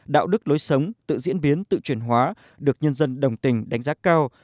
đạo đức lối sống tự diễn biến tự chuyển hóa được nhân dân đồng tình đánh giá cao